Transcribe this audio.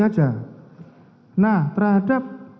saja nah terhadap